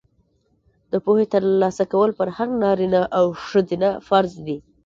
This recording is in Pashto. د پوهې ترلاسه کول په هر نارینه او ښځینه فرض دي.